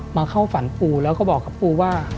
เข้าฝันปูแล้วก็บอกกับปูว่า